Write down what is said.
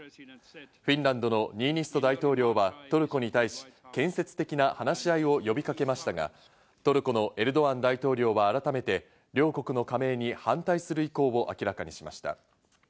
フィンランドのニーニスト大統領はトルコに対し、建設的な話し合いを呼びかけましたが、トルコのエルドアン大統領は改めて、両国の加盟に反対する意向を明らかにしました。